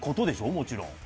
もちろん。